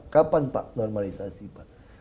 kapan pak normalisasi pak